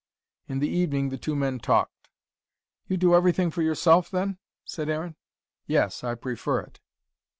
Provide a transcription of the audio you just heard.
In the evening the two men talked. "You do everything for yourself, then?" said Aaron. "Yes, I prefer it."